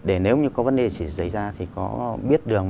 để nếu như có vấn đề gì xảy ra thì có biết đường